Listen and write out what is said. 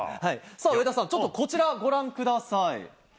さあ、上田さん、ちょっとこちらご覧ください。